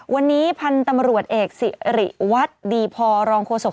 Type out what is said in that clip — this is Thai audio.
วันนี้พันธุ์ตำรวจเอกสิริวัตรดีพอรองโฆษก